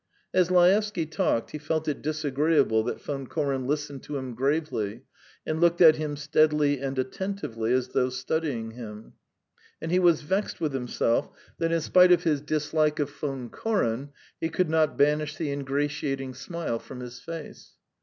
..." As Laevsky talked, he felt it disagreeable that Von Koren listened to him gravely, and looked at him steadily and attentively as though studying him; and he was vexed with himself that in spite of his dislike of Von Koren, he could not banish the ingratiating smile from his face.